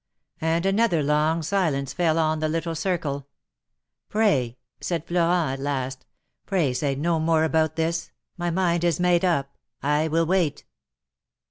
And another long silence fell on the little circle. " Pray," said Florent, at last —" pray, say no more about this. My mind is made up. I will wait."